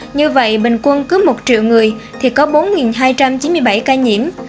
như vậy bình quân cứ một triệu người thì có bốn hai trăm chín mươi bảy ca nhiễm